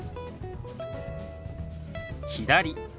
「左」。